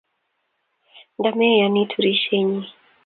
Ndo meyanii turishe nyii